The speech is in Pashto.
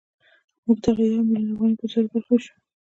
موږ دغه یو میلیون افغانۍ په زرو برخو وېشو